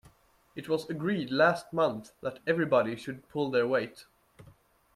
It was agreed last month that everybody should pull their weight